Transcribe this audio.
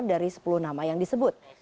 dari sepuluh nama yang disebut